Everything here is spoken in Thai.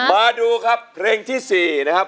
มาดูครับเพลงที่๔นะครับ